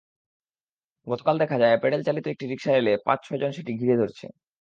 গতকাল দেখা যায়, প্যাডেলচালিত একটি রিকশা এলে পাঁচ-ছয়জন সেটি ঘিরে ধরছে।